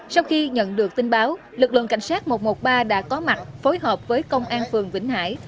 sau khi nhận được tin báo lực lượng cảnh sát một trăm một mươi ba đã có mặt phối hợp với công an phường vĩnh hải